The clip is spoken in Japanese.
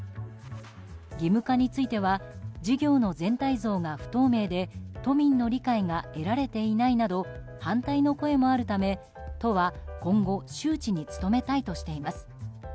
義務化については事業の全体像が不透明で都民の理解が得られていないなど反対の声もあるため、都は今後周知に努めたいとしています。